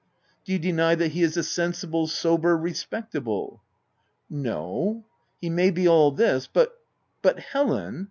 " Do you deny that he is a sensible, sober, respectable ?"" No ; he may be all this, but—" " But Helen